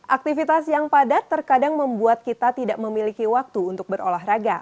aktivitas yang padat terkadang membuat kita tidak memiliki waktu untuk berolahraga